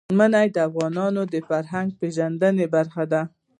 منی د افغانانو د فرهنګي پیژندنې برخه ده.